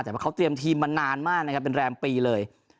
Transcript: แต่ว่าเขาเตรียมทีมมานานมากนะครับเป็นแรมปีเลย